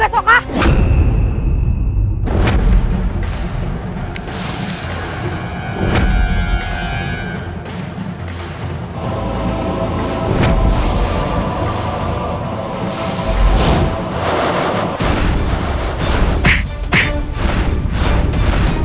kau tidak mau menerimaku sebagai pendampingmu